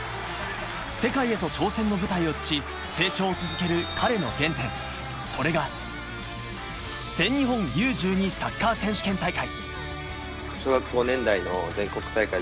世界へと挑戦の舞台を移し、成長を続ける彼の原点、それが、全日本Ｕー１２サッカー選手権大会。